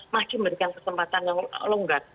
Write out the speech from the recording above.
masih memberikan kesempatan yang longgar